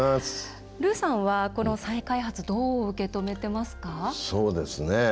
ルーさんは、この再開発どう受け止めてますか？